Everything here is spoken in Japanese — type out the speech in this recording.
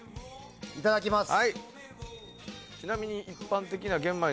いただきます。